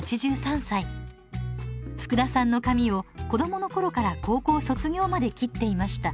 福田さんの髪を子供の頃から高校卒業まで切っていました